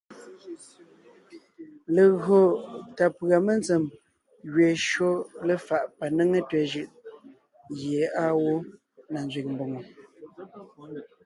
Legÿo tà pʉ̀a mentsèm gẅeen shÿó léfaʼ panéŋe tẅɛ̀ jʉʼ gie àa gwó na nzẅìŋ mbòŋo.